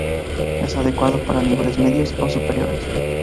Es adecuado para niveles medios o superiores.